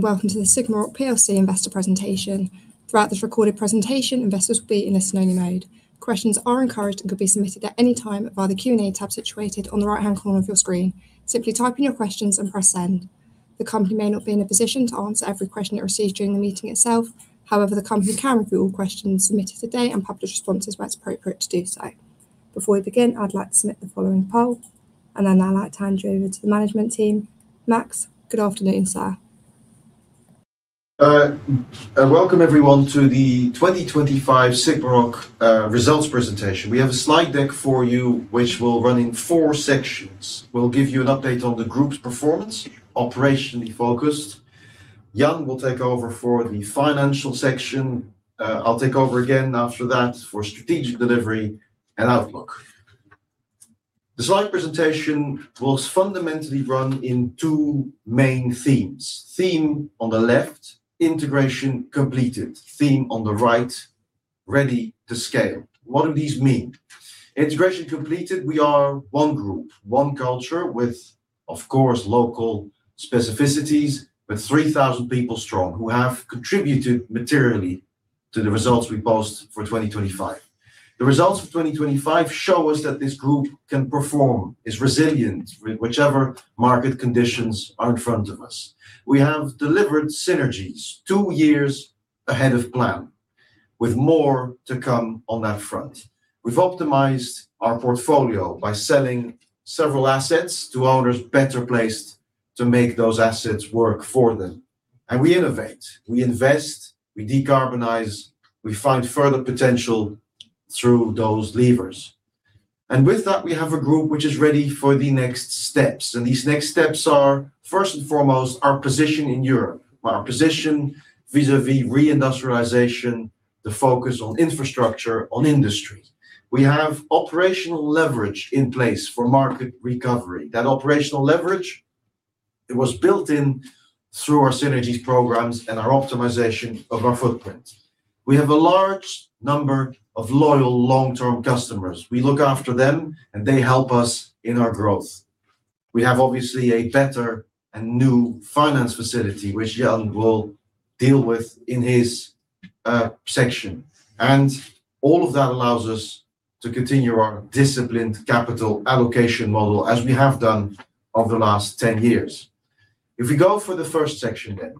Welcome to the SigmaRoc PLC Investor Presentation. Throughout this recorded presentation, investors will be in a listening only mode. Questions are encouraged and could be submitted at any time via the Q&A tab situated on the right-hand corner of your screen. Simply type in your questions and press send. The company may not be in a position to answer every question it receives during the meeting itself. However, the company can review all questions submitted today and publish responses where it's appropriate to do so. Before we begin, I'd like to submit the following poll, and then I'd like to hand you over to the management team. Max, good afternoon, sir. Welcome everyone to the 2025 SigmaRoc results presentation. We have a slide deck for you which will run in four sections. We'll give you an update on the group's performance, operationally focused. Jan will take over for the financial section. I'll take over again after that for strategic delivery and outlook. The slide presentation was fundamentally run in two main themes. Theme on the left, integration completed. Theme on the right, ready to scale. What do these mean? Integration completed, we are one group, one culture with, of course, local specificities, with 3,000 people strong, who have contributed materially to the results we post for 2025. The results of 2025 show us that this group can perform, is resilient with whichever market conditions are in front of us. We have delivered synergies two years ahead of plan, with more to come on that front. We've optimized our portfolio by selling several assets to owners better placed to make those assets work for them. We innovate, we invest, we decarbonize, we find further potential through those levers. With that, we have a group which is ready for the next steps, and these next steps are, first and foremost, our position in Europe. By our position, vis-à-vis reindustrialization, the focus on infrastructure, on industry. We have operational leverage in place for market recovery. That operational leverage, it was built in through our synergies programs and our optimization of our footprint. We have a large number of loyal long-term customers. We look after them, and they help us in our growth. We have obviously a better and new finance facility which Jan will deal with in his section. All of that allows us to continue our disciplined capital allocation model as we have done over the last 10 years. If we go for the first section again,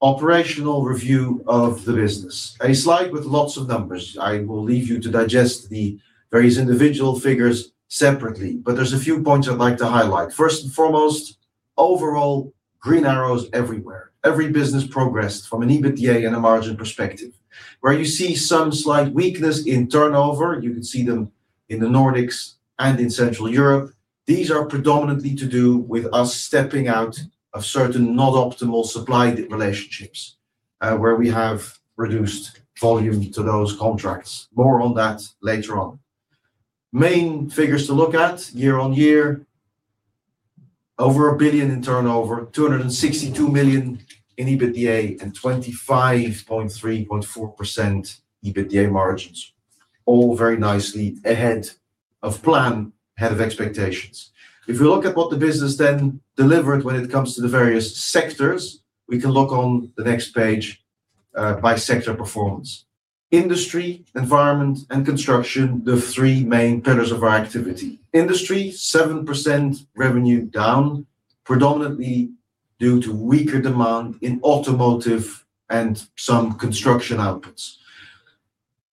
operational review of the business. A slide with lots of numbers. I will leave you to digest the various individual figures separately, but there's a few points I'd like to highlight. First and foremost, overall green arrows everywhere. Every business progressed from an EBITDA and a margin perspective. Where you see some slight weakness in turnover, you can see them in the Nordics and in Central Europe, these are predominantly to do with us stepping out of certain not optimal supply relationships, where we have reduced volume to those contracts. More on that later on. Main figures to look at year-on-year, over 1 billion in turnover, 262 million in EBITDA, and 25.34% EBITDA margins. All very nicely ahead of plan, ahead of expectations. If we look at what the business then delivered when it comes to the various sectors, we can look on the next page, by sector performance. Industry, environment, and construction, the three main pillars of our activity. Industry, 7% revenue down, predominantly due to weaker demand in automotive and some construction outputs.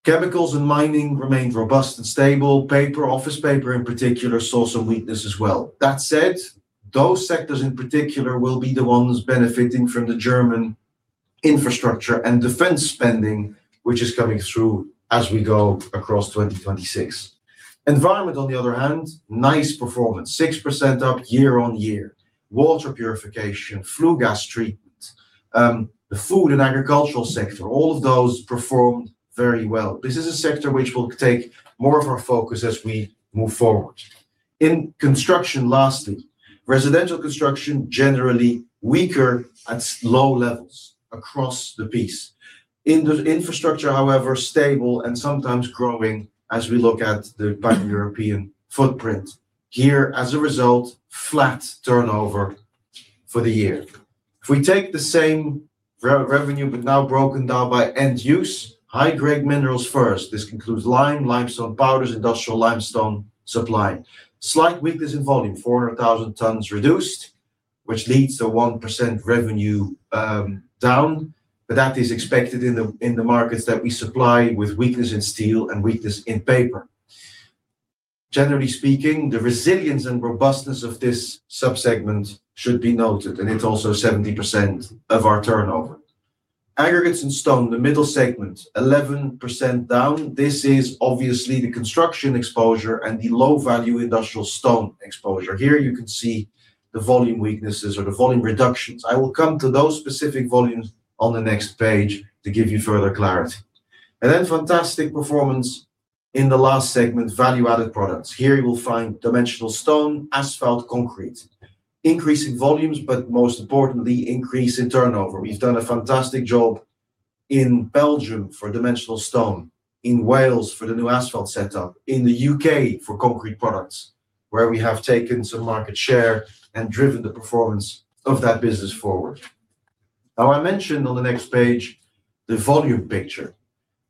Chemicals and mining remained robust and stable. Paper, office paper in particular, saw some weakness as well. That said, those sectors in particular will be the ones benefiting from the German infrastructure and defense spending, which is coming through as we go across 2026. Environment, on the other hand, nice performance, 6% up year-on-year. Water purification, flue gas treatment, the food and agricultural sector, all of those performed very well. This is a sector which will take more of our focus as we move forward. In construction, lastly, residential construction, generally weaker at low levels across the board. In the infrastructure, however, stable and sometimes growing as we look at the European footprint. Here, as a result, flat turnover for the year. If we take the same revenue, but now broken down by end use. High-grade minerals first, this includes lime, limestone powders, industrial limestone supply. Slight weakness in volume, 400,000 tonnes reduced, which leads to 1% revenue down, but that is expected in the markets that we supply with weakness in steel and weakness in paper. Generally speaking, the resilience and robustness of this subsegment should be noted, and it's also 70% of our turnover. Aggregates and stone, the middle segment, 11% down. This is obviously the construction exposure and the low-value industrial stone exposure. Here you can see the volume weaknesses or the volume reductions. I will come to those specific volumes on the next page to give you further clarity. Fantastic performance in the last segment, value-added products. Here you will find Dimension Stone, Asphalt, Concrete. Increasing volumes, but most importantly, increase in turnover. We've done a fantastic job in Belgium for Dimension Stone, in Wales for the new Asphalt setup, in the U.K. for Concrete products, where we have taken some market share and driven the performance of that business forward. Now, I mentioned on the next page the volume picture.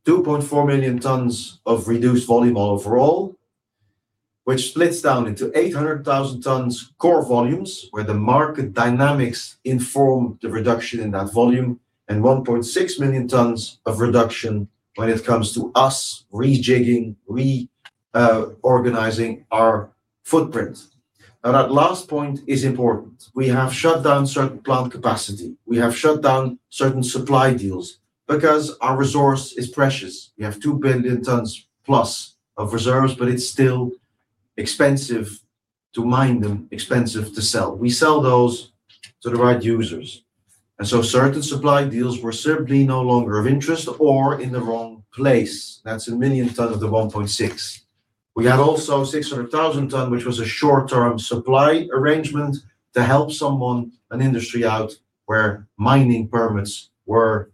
2.4 million tonnes of reduced volume overall, which splits down into 800,000 tonnes core volumes, where the market dynamics inform the reduction in that volume, and 1.6 million tonnes of reduction when it comes to us rejigging, reorganizing our footprint. Now, that last point is important. We have shut down certain plant capacity. We have shut down certain supply deals because our resource is precious. We have 2 billion tonnes plus of reserves, but it's still expensive to mine them, expensive to sell. We sell those to the right users. Certain supply deals were simply no longer of interest or in the wrong place. That's 1 million tonnes of the 1.6 million tonnes. We had also 600,000 tonnes, which was a short-term supply arrangement to help someone, an industry out, where mining permits were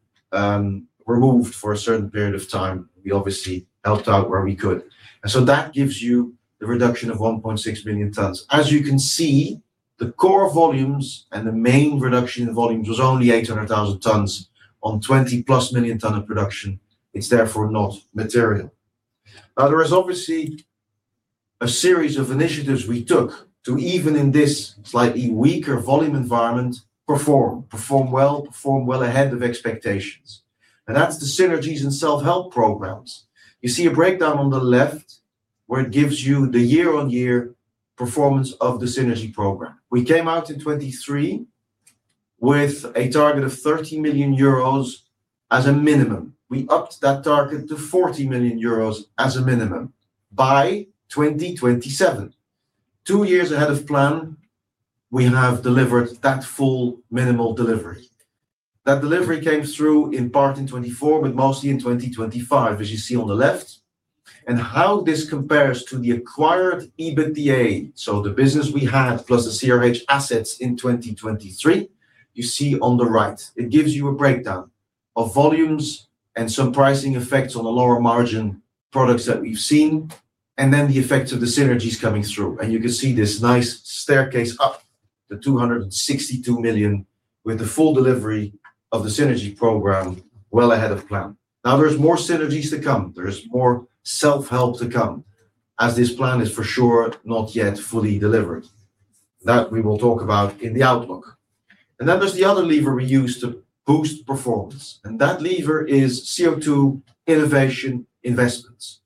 removed for a certain period of time. We obviously helped out where we could. That gives you the reduction of 1.6 million tonnes. As you can see, the core volumes and the main reduction in volumes was only 800,000 tonnes on 20+ million tonnes of production. It's therefore not material. Now, there is obviously a series of initiatives we took to even in this slightly weaker volume environment, perform well ahead of expectations. That's the synergies and self-help programs. You see a breakdown on the left where it gives you the year-on-year performance of the synergy program. We came out in 2023 with a target of 30 million euros as a minimum. We upped that target to 40 million euros as a minimum by 2027. Two years ahead of plan, we have delivered that full minimal delivery. That delivery came through in part in 2024, but mostly in 2025, as you see on the left. How this compares to the acquired EBITDA, so the business we had plus the CRH assets in 2023, you see on the right. It gives you a breakdown of volumes and some pricing effects on the lower margin products that we've seen, and then the effects of the synergies coming through. You can see this nice staircase up to 262 million with the full delivery of the synergy program well ahead of plan. Now, there's more synergies to come. There's more self-help to come, as this plan is for sure not yet fully delivered. That we will talk about in the outlook. Then there's the other lever we use to boost performance, and that lever is CO2 innovation investments.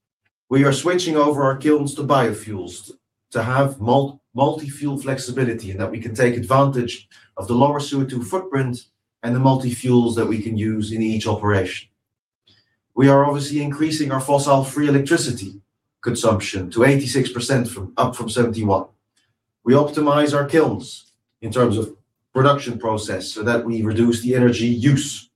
We are switching over our kilns to biofuels to have multifuel flexibility and that we can take advantage of the lower CO2 footprint and the multifuels that we can use in each operation. We are obviously increasing our fossil free electricity consumption to 86% from, up from 71. We optimize our kilns in terms of production process so that we reduce the energy use.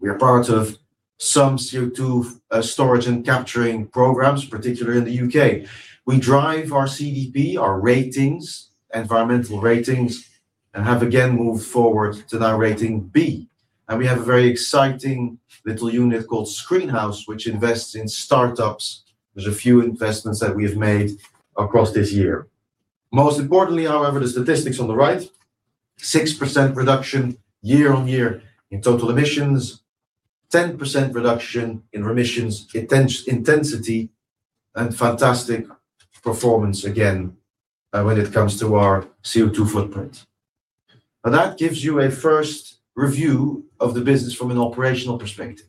We are part of some CO2 storage and capturing programs, particularly in the U.K. We drive our CDP, our ratings, environmental ratings, and have again moved forward to now rating B. We have a very exciting little unit called SkreenHouse, which invests in startups. There's a few investments that we have made across this year. Most importantly, however, the statistics on the right, 6% reduction year-on-year in total emissions, 10% reduction in emissions intensity, and fantastic performance again when it comes to our CO2 footprint. Now, that gives you a first review of the business from an operational perspective.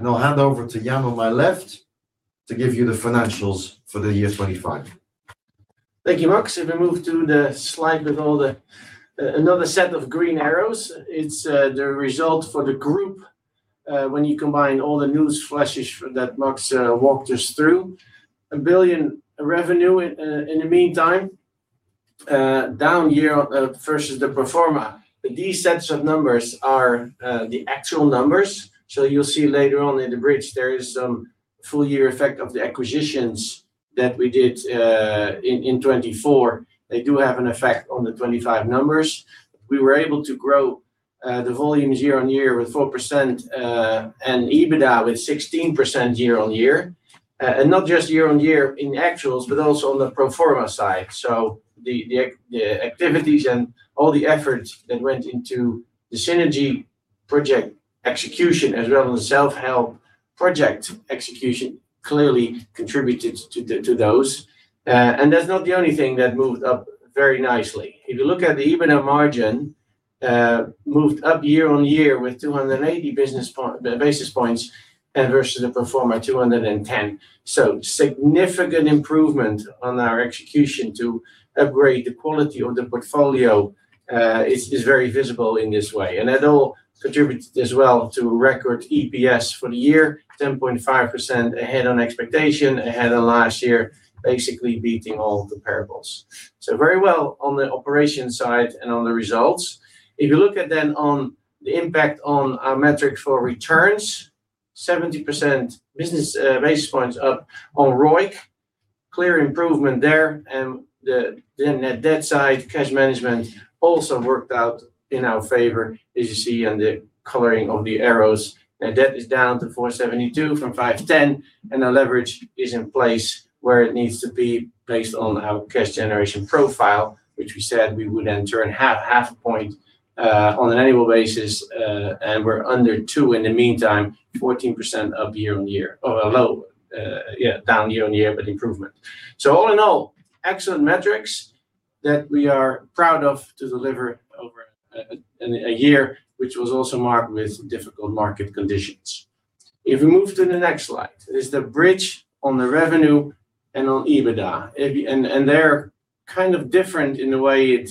I'll hand over to Jan on my left to give you the financials for the year 2025. Thank you, Max. If we move to the slide with all the another set of green arrows, it's the result for the group when you combine all the news flashes that Max walked us through. A billion revenue in the meantime, down year versus the pro forma. These sets of numbers are the actual numbers. You'll see later on in the bridge there is some full year effect of the acquisitions that we did in 2024. They do have an effect on the 2025 numbers. We were able to grow the volumes year-on-year with 4% and EBITDA with 16% year-on-year. Not just year-on-year in actuals, but also on the pro forma side. The activities and all the efforts that went into the synergy project execution as well as self-help project execution clearly contributed to those. That's not the only thing that moved up very nicely. If you look at the EBITDA margin, moved up year on year with 280 basis points and versus the pro forma, 210. Significant improvement on our execution to upgrade the quality of the portfolio is very visible in this way. That all contributed as well to record EPS for the year, 10.5% ahead of expectation, ahead on last year, basically beating all the comparables. Very well on the operations side and on the results. If you look at then on the impact on our metrics for returns, 70 basis points up on ROIC. Clear improvement there. The net debt side, cash management also worked out in our favor, as you see on the coloring of the arrows. Net debt is down to 472 million from 510 million, and the leverage is in place where it needs to be based on our cash generation profile, which we said we would enter and have half a point on an annual basis. We're under two in the meantime, 14% year-on-year. Overall, down year-on-year, but improvement. All in all, excellent metrics that we are proud of to deliver over in a year, which was also marked with difficult market conditions. If we move to the next slide, it is the bridge on the revenue and on EBITDA. They're kind of different in the way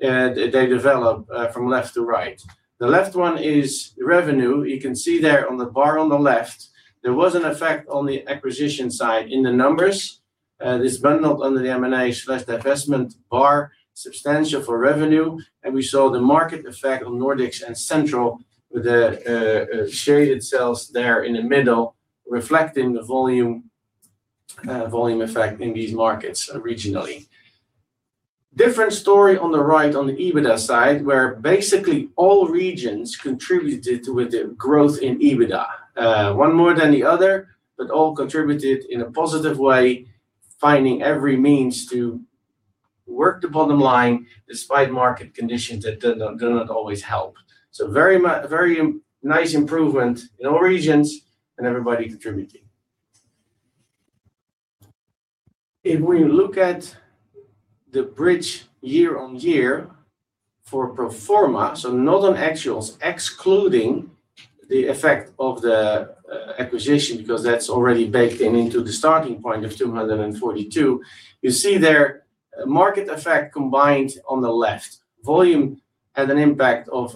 they develop from left to right. The left one is revenue. You can see there on the bar on the left, there was an effect on the acquisition side in the numbers. This bundled under the M&A/divestment bar, substantial for revenue. We saw the market effect on Nordics and Central with the shaded cells there in the middle, reflecting the volume effect in these markets regionally. Different story on the right, on the EBITDA side, where basically all regions contributed with the growth in EBITDA. One more than the other, but all contributed in a positive way, finding every means to work the bottom line despite market conditions that do not always help. Very nice improvement in all regions and everybody contributing. If we look at the bridge year-over-year for pro forma, so not on actuals, excluding the effect of the acquisition, because that's already baked into the starting point of 242. You see there market effect combined on the left. Volume had an impact of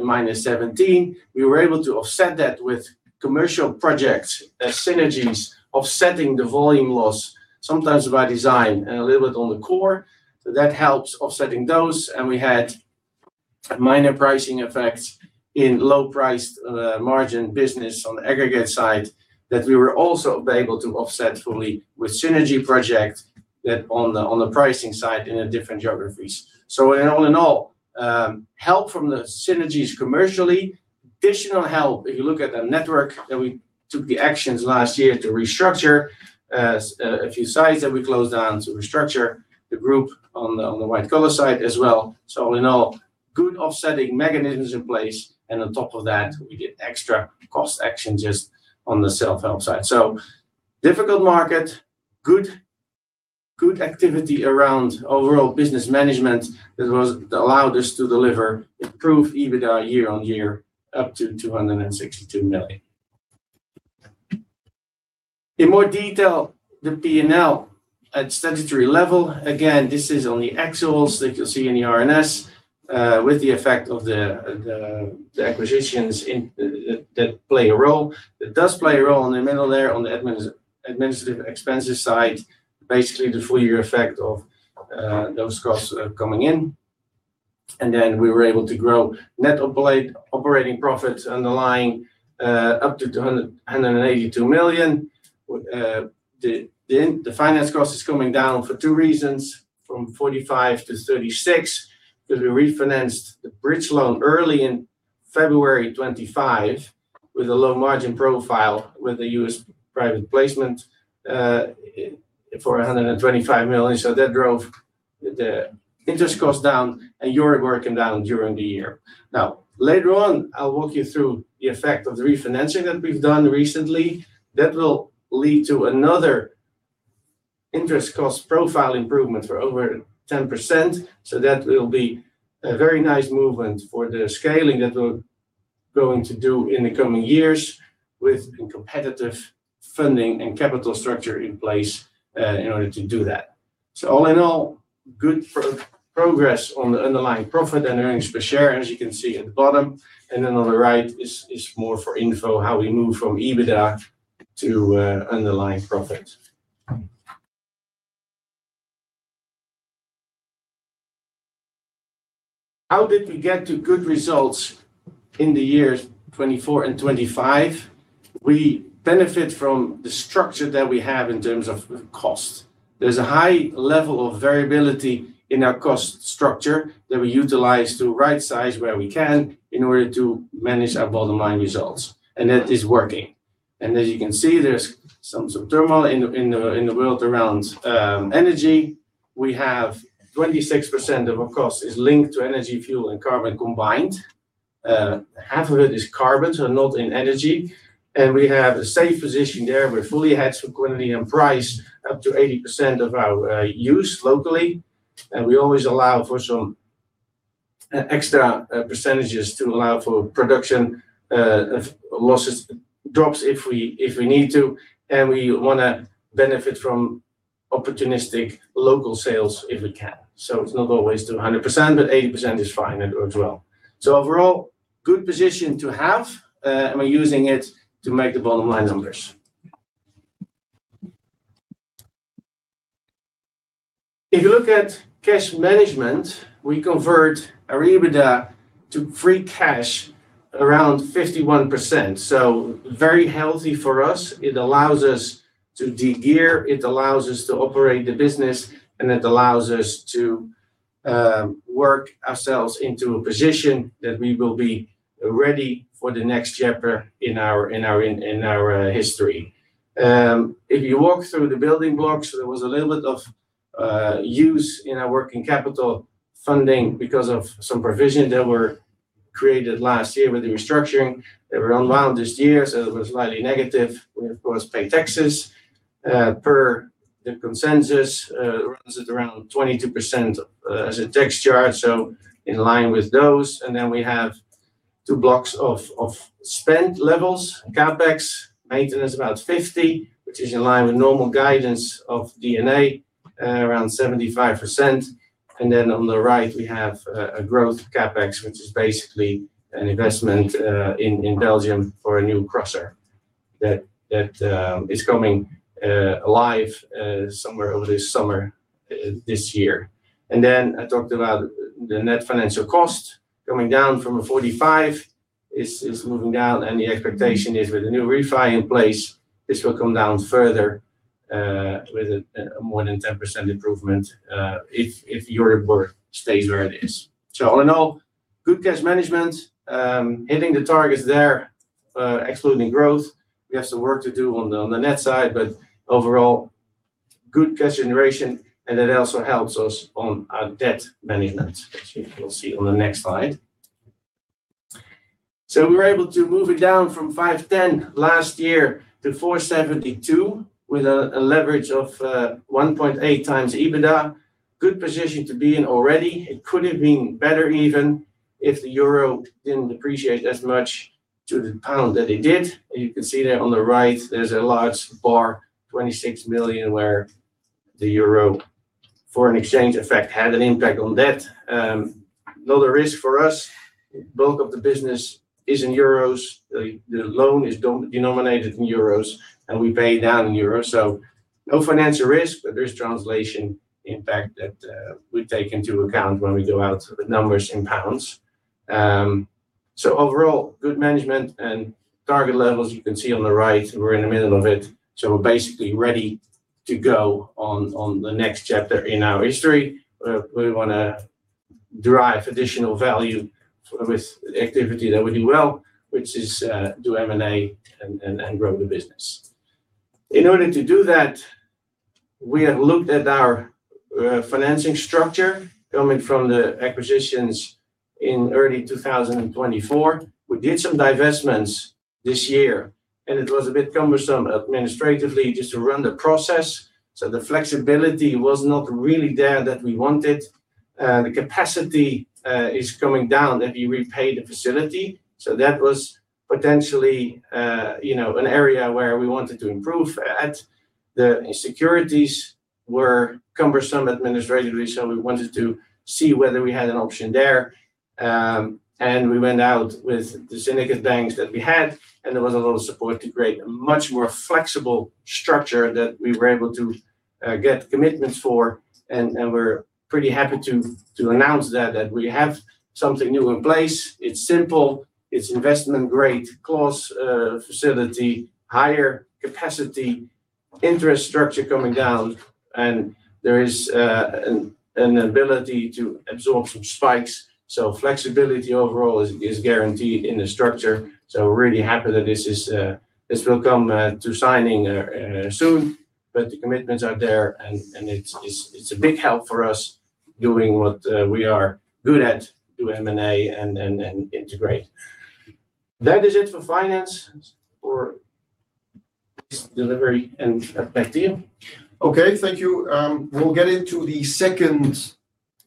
minus 17. We were able to offset that with commercial projects as synergies offsetting the volume loss, sometimes by design and a little bit on the core. That helps offsetting those. We had minor pricing effects in low-priced margin business on the Aggregates side that we were also able to offset fully with synergy projects that on the pricing side in different geographies. In all in all, help from the synergies commercially. Additional help, if you look at the network that we took the actions last year to restructure, a few sites that we closed down to restructure the group on the, on the white collar side as well. All in all, good offsetting mechanisms in place. On top of that, we did extra cost action just on the self-help side. Difficult market, good activity around overall business management that allowed us to deliver improved EBITDA year-on-year up to 262 million. In more detail, the P&L at statutory level. Again, this is on the actuals that you'll see in the RNS, with the effect of the acquisitions in that play a role. It does play a role in the middle there on the administrative expenses side, basically the full year effect of those costs coming in. Then we were able to grow underlying operating profits up to 282 million. The finance cost is coming down for two reasons, from 45 million to 36 million, because we refinanced the bridge loan early in February 2025 with a low margin profile with the U.S. private placement for $125 million. That drove the interest costs down and Euribor working down during the year. Now, later on, I'll walk you through the effect of the refinancing that we've done recently. That will lead to another interest cost profile improvement for over 10%. That will be a very nice movement for the scaling that we're going to do in the coming years with competitive funding and capital structure in place, in order to do that. All in all, good progress on the underlying profit and earnings per share, as you can see at the bottom. Then on the right is more for info, how we move from EBITDA to underlying profit. How did we get to good results in the years 2024 and 2025? We benefit from the structure that we have in terms of cost. There's a high level of variability in our cost structure that we utilize to right size where we can in order to manage our bottom line results. That is working. As you can see, there's some turmoil in the world around energy. We have 26% of our cost is linked to energy, fuel, and carbon combined. Half of it is carbon, so not in energy. We have a safe position there. We're fully hedged for quantity and price up to 80% of our use locally. We always allow for some extra percentages to allow for production losses, drops if we need to. We wanna benefit from opportunistic local sales if we can. It's not always 200%, but 80% is fine, and it works well. Overall, good position to have, and we're using it to make the bottom line numbers. If you look at cash management, we convert our EBITDA to free cash around 51%. Very healthy for us. It allows us to de-gear, it allows us to operate the business, and it allows us to work ourselves into a position that we will be ready for the next chapter in our history. If you walk through the building blocks, there was a little bit of use in our working capital funding because of some provision that were created last year with the restructuring. They were unwound this year, so it was slightly negative. We of course paid taxes per the consensus, runs at around 22% as a tax charge, so in line with those. We have two blocks of spend levels. CapEx maintenance about 50 million, which is in line with normal guidance of D&A, at around 75%. On the right we have a growth CapEx, which is basically an investment in Belgium for a new crusher that is coming live somewhere over this summer this year. I talked about the net financial cost coming down from 45 million. It's moving down and the expectation is with the new refi in place, this will come down further with a more than 10% improvement if Euribor stays where it is. All in all, good cash management. Hitting the targets there excluding growth. We have some work to do on the net side, but overall good cash generation and that also helps us on our debt management, which you will see on the next slide. We were able to move it down from 510 million last year to 472 million with a leverage of 1.8x EBITDA. Good position to be in already. It could have been better even if the Euro didn't depreciate as much to the pound that it did. You can see that on the right there's a large bar, 26 million, where the Euro foreign exchange effect had an impact on debt. Another risk for us, bulk of the business is in euros. The loan is denominated in euros and we pay down in euros. No financial risk, but there's translation impact that we take into account when we go out with numbers in pounds. Overall good management and target levels you can see on the right we're in the middle of it. We're basically ready to go on the next chapter in our history, where we wanna derive additional value with activity that we do well, which is do M&A and grow the business. In order to do that, we have looked at our financing structure coming from the acquisitions in early 2024. We did some divestments this year, and it was a bit cumbersome administratively just to run the process. The flexibility was not really there that we wanted. The capacity is coming down as we repay the facility. That was potentially, you know, an area where we wanted to improve at. The securities were cumbersome administratively, so we wanted to see whether we had an option there. We went out with the syndicate banks that we had, and there was a lot of support to create a much more flexible structure that we were able to get commitments for. We're pretty happy to announce that we have something new in place. It's simple. It's investment grade plus facility, higher capacity, interest structure coming down, and there is an ability to absorb some spikes. Flexibility overall is guaranteed in the structure. We're really happy that this will come to signing soon. The commitments are there and it's a big help for us doing what we are good at, do M&A and integrate. That is it for finance or this delivery and back to you. Okay. Thank you. We'll get into the second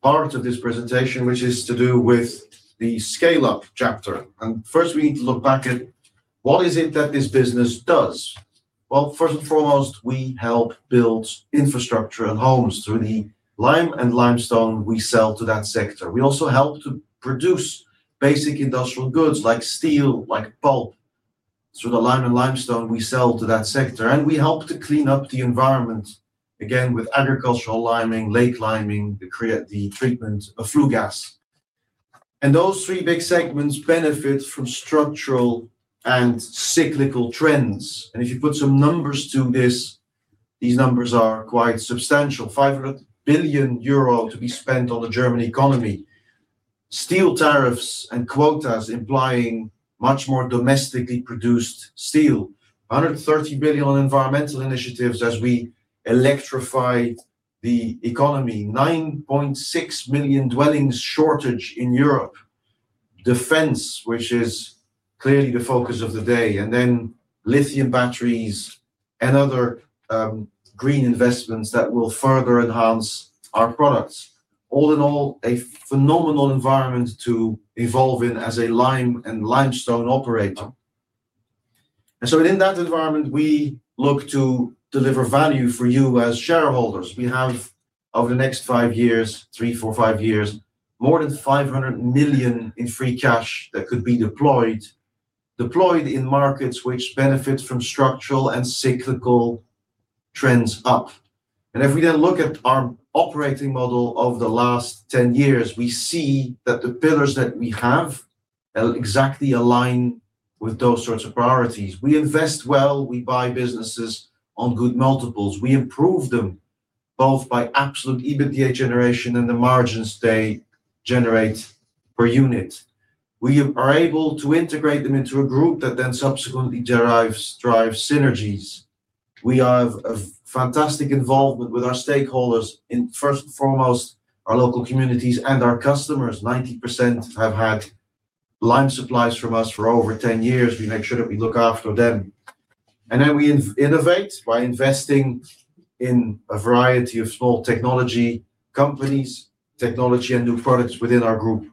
part of this presentation, which is to do with the scale-up chapter. First we need to look back at what is it that this business does? Well, first and foremost, we help build infrastructure and homes through the lime and limestone we sell to that sector. We also help to produce basic industrial goods like steel, like pulp, through the lime and limestone we sell to that sector. We help to clean up the environment, again with agricultural liming, lake liming, the treatment of flue gas. Those three big segments benefit from structural and cyclical trends. If you put some numbers to this, these numbers are quite substantial. 500 billion euro to be spent on the German economy. Steel tariffs and quotas implying much more domestically produced steel. 130 billion on environmental initiatives as we electrify the economy. 9.6 million dwellings shortage in Europe. Defense, which is clearly the focus of the day. Lithium batteries and other green investments that will further enhance our products. All in all, a phenomenal environment to evolve in as a lime and limestone operator. Within that environment, we look to deliver value for you as shareholders. We have over the next five years, three, four, five years, more than 500 million in free cash that could be deployed. Deployed in markets which benefit from structural and cyclical trends up. If we then look at our operating model over the last 10 years, we see that the pillars that we have exactly align with those sorts of priorities. We invest well, we buy businesses on good multiples. We improve them both by absolute EBITDA generation and the margins they generate per unit. We are able to integrate them into a group that then subsequently drives synergies. We have a fantastic involvement with our stakeholders in, first and foremost, our local communities and our customers. 90% have had lime supplies from us for over 10 years. We make sure that we look after them. We innovate by investing in a variety of small technology companies, technology and new products within our group.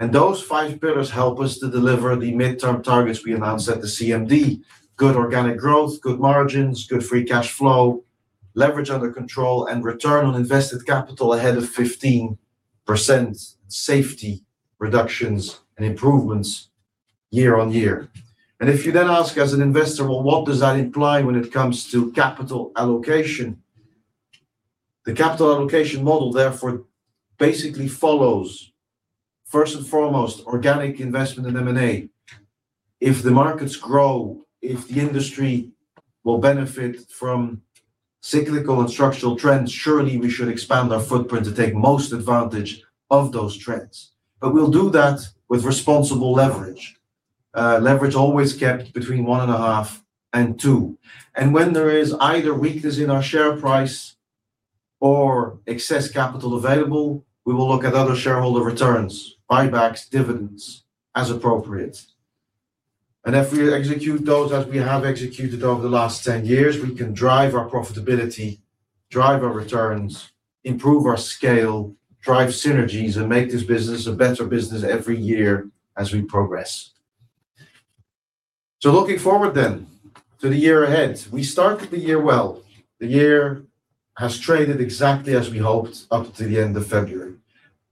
Those five pillars help us to deliver the midterm targets we announced at the CMD. Good organic growth, good margins, good free cash flow, leverage under control and return on invested capital ahead of 15% safety reductions and improvements year on year. If you then ask as an investor, "Well, what does that imply when it comes to capital allocation?" The capital allocation model therefore basically follows first and foremost organic investment in M&A. If the markets grow, if the industry will benefit from cyclical and structural trends, surely we should expand our footprint to take most advantage of those trends. But we'll do that with responsible leverage. Leverage always kept between 1.5 and 2. When there is either weakness in our share price or excess capital available, we will look at other shareholder returns, buybacks, dividends, as appropriate. If we execute those as we have executed over the last 10 years, we can drive our profitability, drive our returns, improve our scale, drive synergies, and make this business a better business every year as we progress. Looking forward then to the year ahead. We started the year well. The year has traded exactly as we hoped up to the end of February.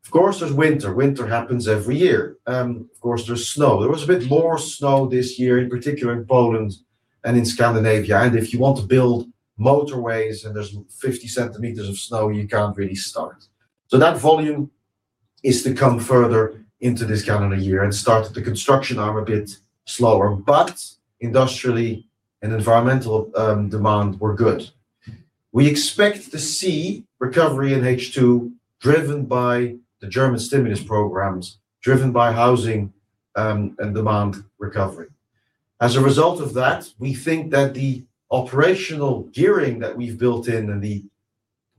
Of course, there's winter. Winter happens every year. Of course, there's snow. There was a bit more snow this year, in particular in Poland and in Scandinavia. If you want to build motorways and there's 50 cm of snow, you can't really start. That volume is to come further into this calendar year and started the construction arm a bit slower, but industrially and environmentally, demand were good. We expect to see recovery in H2 driven by the German stimulus programs, driven by housing, and demand recovery. As a result of that, we think that the operational gearing that we've built in and the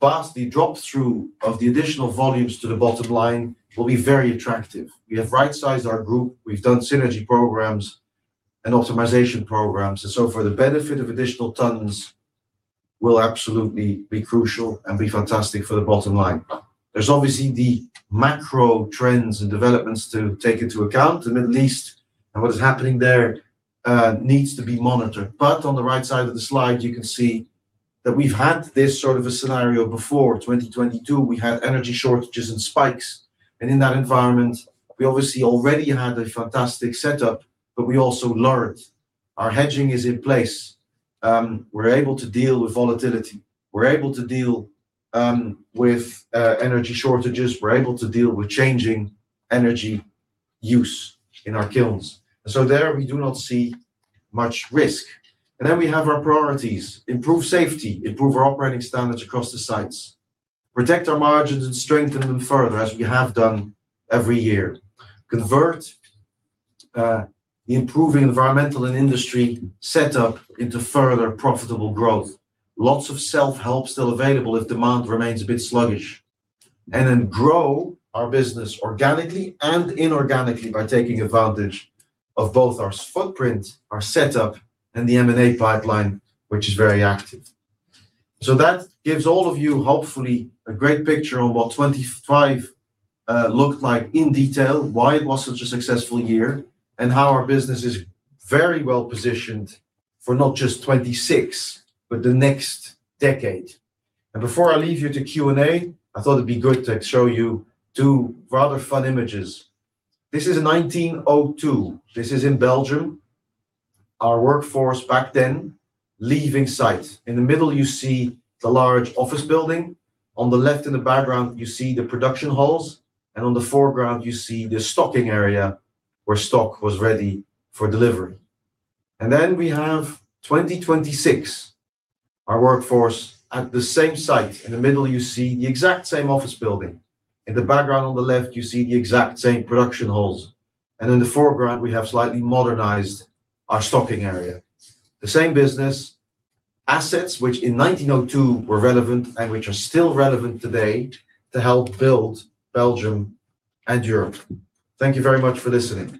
vastly drop-through of the additional volumes to the bottom line will be very attractive. We have right-sized our group, we've done synergy programs and optimization programs. For the benefit of additional tonnes will absolutely be crucial and be fantastic for the bottom line. There's obviously the macro trends and developments to take into account. The Middle East and what is happening there needs to be monitored. On the right side of the slide, you can see that we've had this sort of a scenario before. 2022, we had energy shortages and spikes. In that environment, we obviously already had a fantastic setup, but we also learned. Our hedging is in place. We're able to deal with volatility. We're able to deal with energy shortages. We're able to deal with changing energy use in our kilns. There we do not see much risk. We have our priorities. Improve safety, improve our operating standards across the sites, protect our margins and strengthen them further as we have done every year. Convert the improving environmental and industry setup into further profitable growth. Lots of self-help still available if demand remains a bit sluggish. Grow our business organically and inorganically by taking advantage of both our footprint, our setup, and the M&A pipeline, which is very active. That gives all of you, hopefully, a great picture on what 2025 looked like in detail, why it was such a successful year, and how our business is very well positioned for not just 2026, but the next decade. Before I leave you to Q&A, I thought it'd be good to show you two rather fun images. This is 1902. This is in Belgium. Our workforce back then leaving site. In the middle, you see the large office building. On the left in the background, you see the production halls. On the foreground, you see the stocking area where stock was ready for delivery. Then we have 2026, our workforce at the same site. In the middle, you see the exact same office building. In the background on the left, you see the exact same production halls. In the foreground, we have slightly modernized our stocking area. The same business assets which in 1902 were relevant and which are still relevant today to help build Belgium and Europe. Thank you very much for listening.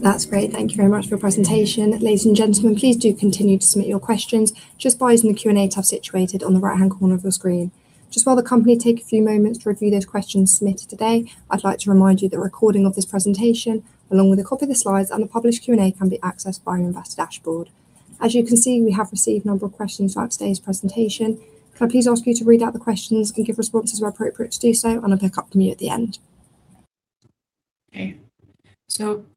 That's great. Thank you very much for your presentation. Ladies and gentlemen, please do continue to submit your questions just by using the Q&A tab situated on the right-hand corner of your screen. Just while the company take a few moments to review those questions submitted today, I'd like to remind you that a recording of this presentation, along with a copy of the slides and the published Q&A, can be accessed via Investor dashboard. As you can see, we have received a number of questions about today's presentation. Can I please ask you to read out the questions and give responses where appropriate to do so, and I'll pick up from you at the end. Okay.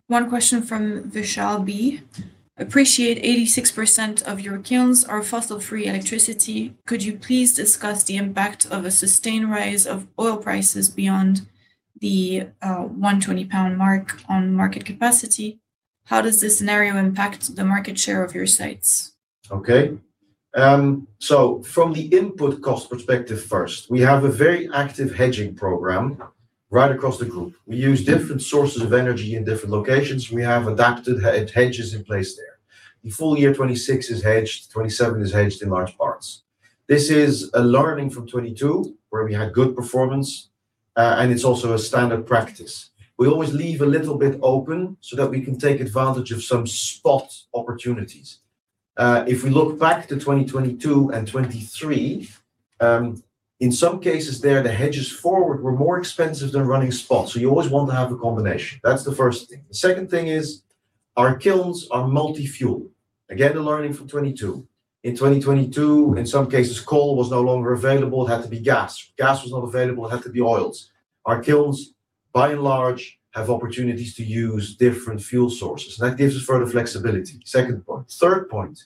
One question from Vishal B. Appreciate 86% of your kilns are fossil-free electricity. Could you please discuss the impact of a sustained rise of oil prices beyond the 120 pound mark on market capacity? How does this scenario impact the market share of your sites? Okay. From the input cost perspective first, we have a very active hedging program right across the group. We use different sources of energy in different locations. We have adapted hedges in place there. The full year 2026 is hedged, 2027 is hedged in large parts. This is a learning from 2022, where we had good performance, and it's also a standard practice. We always leave a little bit open so that we can take advantage of some spot opportunities. If we look back to 2022 and 2023, in some cases there, the hedges forward were more expensive than running spots. You always want to have a combination. That's the first thing. The second thing is, our kilns are multi-fuel. Again, the learning from 2022. In 2022, in some cases, coal was no longer available. It had to be gas. Gas was not available, it had to be oils. Our kilns, by and large, have opportunities to use different fuel sources, and that gives us further flexibility. Second point. Third point,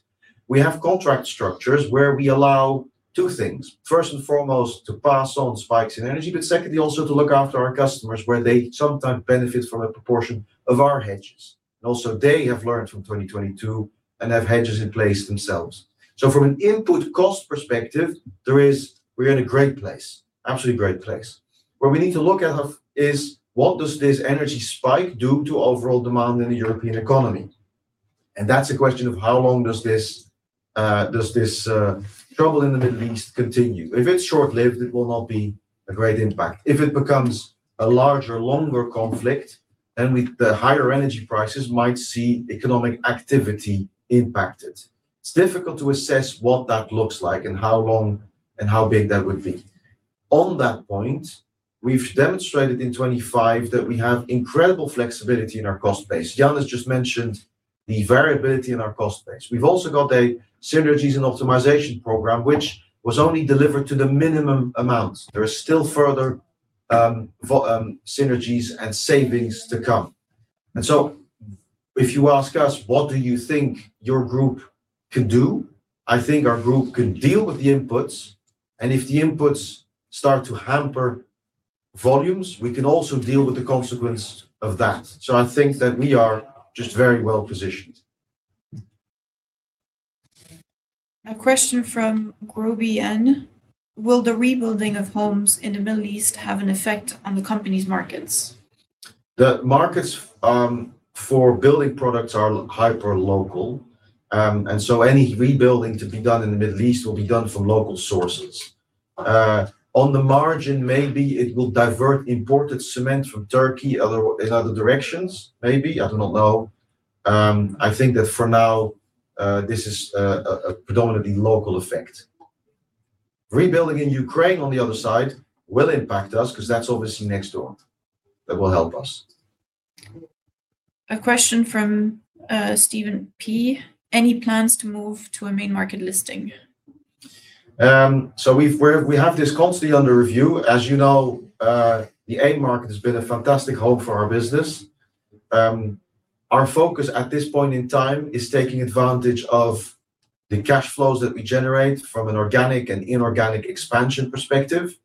we have contract structures where we allow two things. First and foremost, to pass on spikes in energy, but secondly, also to look after our customers, where they sometimes benefit from a proportion of our hedges. They have learned from 2022 and have hedges in place themselves. From an input cost perspective, there is. We're in a great place. Absolutely great place. Where we need to look at is what does this energy spike do to overall demand in the European economy? That's a question of how long does this trouble in the Middle East continue? If it's short-lived, it will not be a great impact. If it becomes a larger, longer conflict, the higher energy prices might see economic activity impacted. It's difficult to assess what that looks like and how long and how big that would be. On that point, we've demonstrated in 2025 that we have incredible flexibility in our cost base. Jan has just mentioned the variability in our cost base. We've also got a synergies and optimization program, which was only delivered to the minimum amount. There is still further synergies and savings to come. If you ask us, what do you think your group can do? I think our group can deal with the inputs, and if the inputs start to hamper volumes, we can also deal with the consequence of that. I think that we are just very well-positioned. A question from Groby N. Will the rebuilding of homes in the Middle East have an effect on the company's markets? The markets for building products are hyper local, and so any rebuilding to be done in the Middle East will be done from local sources. On the margin, maybe it will divert imported cement from Turkey in other directions, maybe. I do not know. I think that for now, this is a predominantly local effect. Rebuilding in Ukraine on the other side will impact us 'cause that's obviously next door. That will help us. A question from Steven P. Any plans to move to a main market listing? We have this constantly under review. As you know, the AIM market has been a fantastic home for our business. Our focus at this point in time is taking advantage of the cash flows that we generate from an organic and inorganic expansion perspective.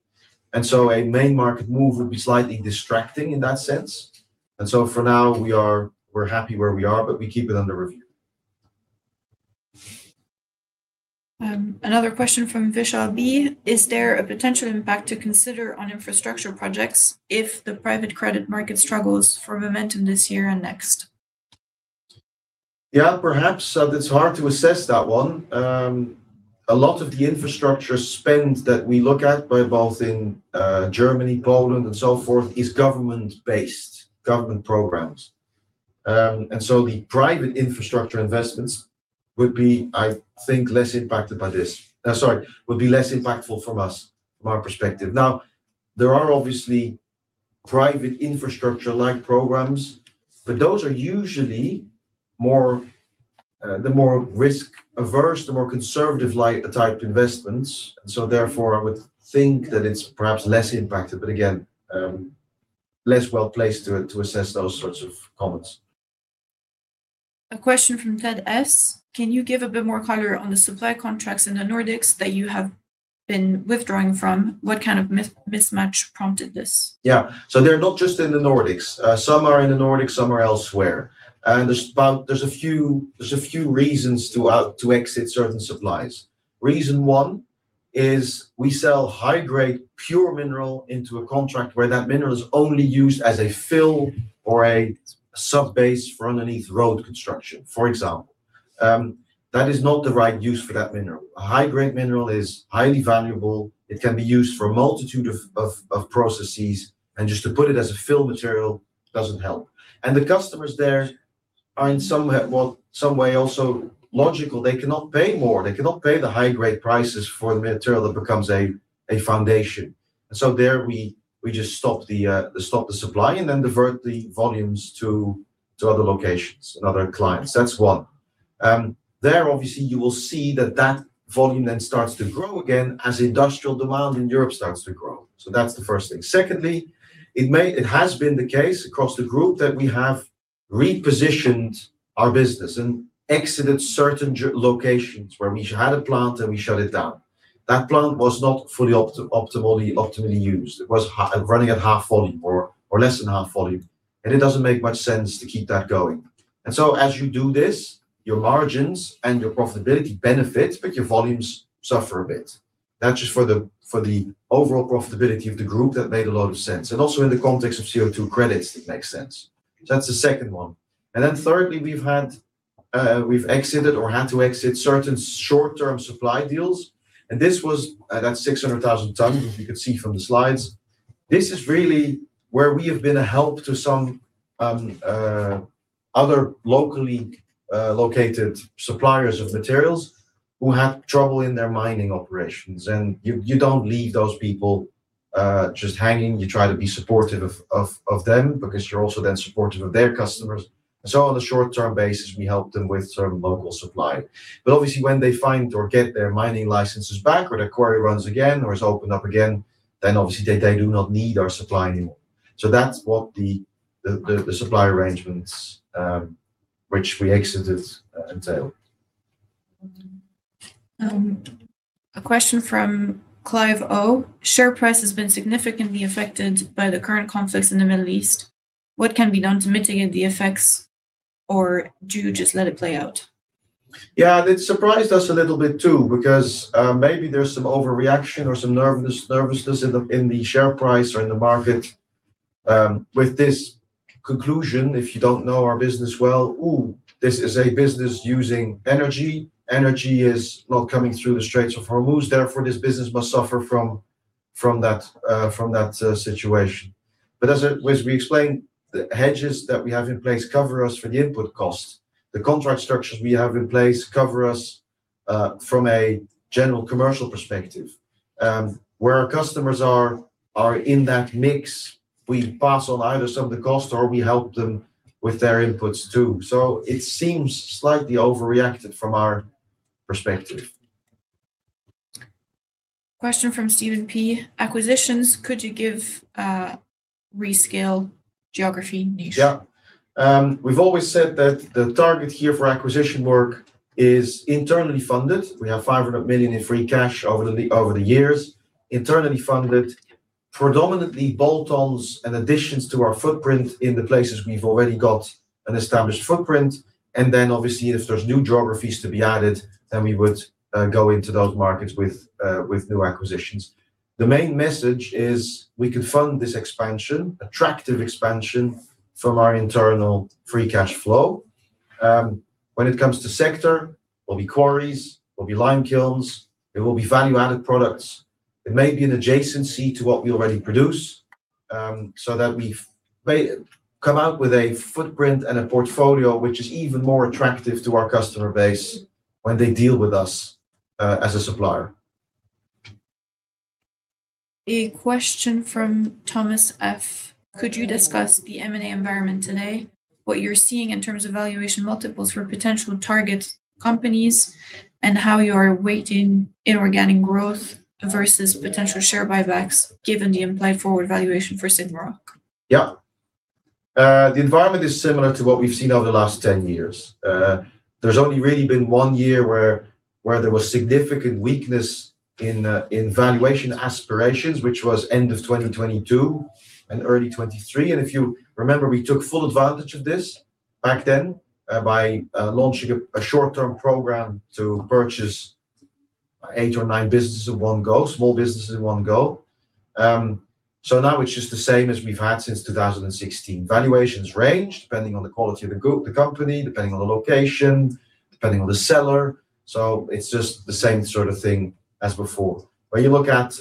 A main market move would be slightly distracting in that sense. For now, we're happy where we are, but we keep it under review. Another question from Vishal B. Is there a potential impact to consider on infrastructure projects if the private credit market struggles for momentum this year and next? Yeah, perhaps. It's hard to assess that one. A lot of the infrastructure spend that we look at in both Germany, Poland and so forth is government-based, government programs. The private infrastructure investments would be, I think, less impacted by this. Sorry, would be less impactful from us, from our perspective. Now, there are obviously private infrastructure-like programs, but those are usually more, the more risk-averse, the more conservative-like type investments. Therefore, I would think that it's perhaps less impacted, but again, less well-placed to assess those sorts of comments. A question from Ted S. Can you give a bit more color on the supply contracts in the Nordics that you have been withdrawing from? What kind of mismatch prompted this? Yeah. They're not just in the Nordics. Some are in the Nordics, some are elsewhere. There are a few reasons to exit certain supplies. Reason one is we sell high-grade pure mineral into a contract where that mineral is only used as a fill or a subbase for underneath road construction, for example. That is not the right use for that mineral. A high-grade mineral is highly valuable. It can be used for a multitude of processes, and just to put it as a fill material doesn't help. The customers there are in some way, well, some way also logical. They cannot pay more. They cannot pay the high grade prices for the material that becomes a foundation. There we just stop the supply and then divert the volumes to other locations and other clients. That's one. There obviously you will see that volume then starts to grow again as industrial demand in Europe starts to grow. That's the first thing. Secondly, it has been the case across the group that we have repositioned our business and exited certain locations where we had a plant and we shut it down. That plant was not fully optimally used. It was running at half volume or less than half volume, and it doesn't make much sense to keep that going. As you do this, your margins and your profitability benefits, but your volumes suffer a bit. That's just for the overall profitability of the group that made a lot of sense and also in the context of CO2 credits, it makes sense. That's the second one. Thirdly, we've had we've exited or had to exit certain short-term supply deals, and this was at 600,000 tonnes, as you could see from the slides. This is really where we have been a help to some other locally located suppliers of materials who have trouble in their mining operations. You don't leave those people just hanging. You try to be supportive of them because you're also then supportive of their customers. On a short-term basis, we help them with certain local supply. Obviously when they find or get their mining licenses back or the quarry runs again or is opened up again, then obviously they do not need our supply anymore. That's what the supply arrangements, which we exited, entailed. A question from Clive O. "Share price has been significantly affected by the current conflicts in the Middle East. What can be done to mitigate the effects, or do you just let it play out? Yeah, it surprised us a little bit too because maybe there's some overreaction or some nervousness in the share price or in the market with this conclusion. If you don't know our business well, oh, this is a business using energy. Energy is not coming through the Straits of Hormuz, therefore this business must suffer from that situation. As we explained, the hedges that we have in place cover us for the input costs. The contract structures we have in place cover us from a general commercial perspective. Where our customers are in that mix, we pass on either some of the cost or we help them with their inputs too. It seems slightly overreacted from our perspective. Question from Steven P. "Acquisitions, could you give scale, geography, niche? We've always said that the target here for acquisition work is internally funded. We have 500 million in free cash over the years. Internally funded, predominantly bolt-ons and additions to our footprint in the places we've already got an established footprint. Obviously, if there's new geographies to be added, we would go into those markets with new acquisitions. The main message is we could fund this expansion, attractive expansion from our internal free cash flow. When it comes to sector, it will be quarries, it will be lime kilns, it will be value-added products. It may be an adjacency to what we already produce, so that we may come out with a footprint and a portfolio which is even more attractive to our customer base when they deal with us as a supplier. A question from Thomas F. "Could you discuss the M&A environment today? What you're seeing in terms of valuation multiples for potential target companies and how you are weighting inorganic growth versus potential share buybacks given the implied forward valuation for SigmaRoc? Yeah. The environment is similar to what we've seen over the last 10 years. There's only really been one year where there was significant weakness in valuation aspirations, which was end of 2022 and early 2023. If you remember, we took full advantage of this back then by launching a short-term program to purchase eight or nine small businesses in one go. Now it's just the same as we've had since 2016. Valuations range depending on the quality of the company, depending on the location, depending on the seller. It's just the same sort of thing as before. When you look at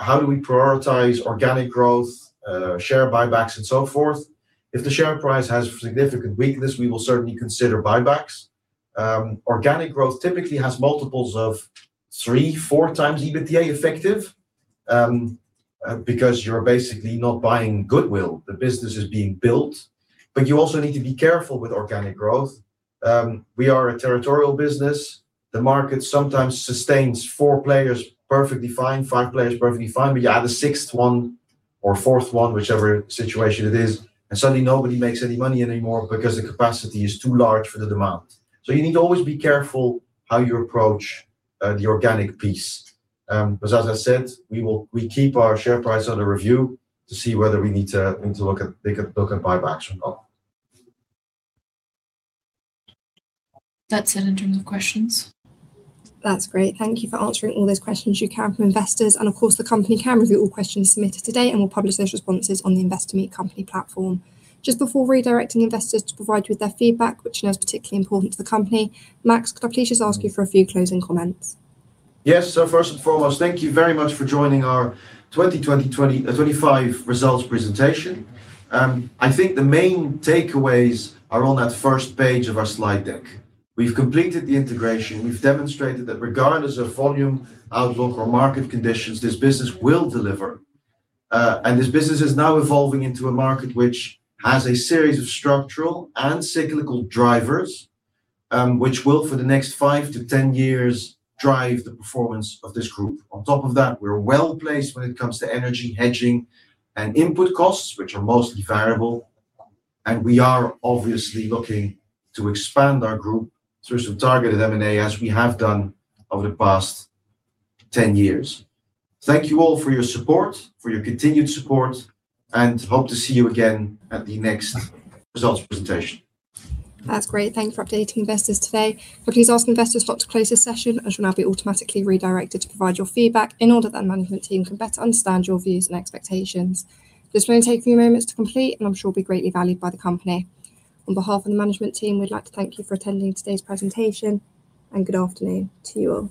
how we prioritize organic growth, share buybacks and so forth, if the share price has significant weakness, we will certainly consider buybacks. Organic growth typically has multiples of 3-4 times EBITDA effective, because you're basically not buying goodwill. The business is being built. You also need to be careful with organic growth. We are a territorial business. The market sometimes sustains four players perfectly fine, five players perfectly fine, but you add a sixth one or fourth one, whichever situation it is, and suddenly nobody makes any money anymore because the capacity is too large for the demand. You need to always be careful how you approach the organic piece. Because as I said, we keep our share price under review to see whether we need to look at buybacks or not. That's it in terms of questions. That's great. Thank you for answering all those questions you can from investors. Of course, the company can review all questions submitted today and will publish those responses on the Investor Meet Company platform. Just before redirecting investors to provide you with their feedback, which we know is particularly important to the company, Max, could I please just ask you for a few closing comments? Yes. First and foremost, thank you very much for joining our 2025 results presentation. I think the main takeaways are on that first page of our slide deck. We've completed the integration. We've demonstrated that regardless of volume outlook or market conditions, this business will deliver. This business is now evolving into a market which has a series of structural and cyclical drivers, which will, for the next five to 10 years, drive the performance of this group. On top of that, we're well-placed when it comes to energy hedging and input costs, which are mostly variable. We are obviously looking to expand our group through some targeted M&A as we have done over the past 10 years. Thank you all for your support, for your continued support, and hope to see you again at the next results presentation. That's great. Thank you for updating investors today. Could I please ask investors not to close this session, as you'll now be automatically redirected to provide your feedback in order that the management team can better understand your views and expectations. This will only take a few moments to complete, and I'm sure will be greatly valued by the company. On behalf of the management team, we'd like to thank you for attending today's presentation, and good afternoon to you all.